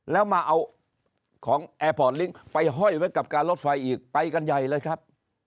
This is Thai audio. แล้วมาเอาของแอร์พอร์ตลิงค์ไปห้อยไว้กับการรถไฟอีกไปกันใหญ่เลยครับ